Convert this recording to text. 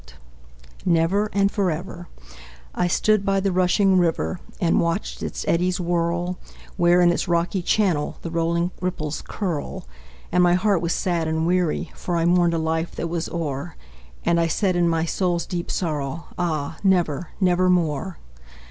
Y Z Never and Forever I stood by the rushing river, And watched its eddies whirl, Where, in its rocky channel, The rolling ripples curl. And my heart was sad and weary, For I mourned a life that was o'er, And I said, in my soul's deep sorrow, "Ah! never, nevermore!"